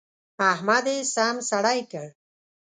احمد يې سم سړی کړ.